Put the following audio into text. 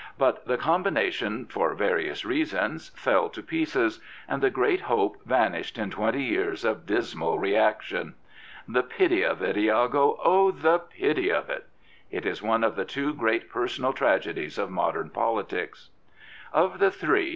But the combination, for various reasons, fell to pieces, and the great hope vanished in twenty years of dismal reaction. " The pity of it, lago, 0 the pity of it." It is one of the two great personal tragedies of modern politics. Of the three.